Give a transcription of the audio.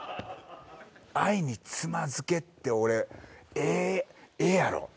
「『愛につまずけ』って俺ええやろ？」